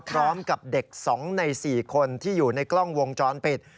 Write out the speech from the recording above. พร้อมกับเด็ก๒ใน๔คนที่อยู่ในกล้องวงจรปิด